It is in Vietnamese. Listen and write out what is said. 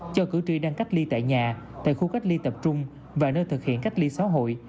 cho cử tri đang cách ly tại nhà tại khu cách ly tập trung và nơi thực hiện cách ly xã hội